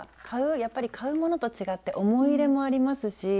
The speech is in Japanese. やっぱり買うものと違って思い入れもありますし